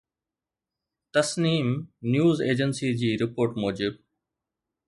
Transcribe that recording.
Tasneem news agency جي report موجب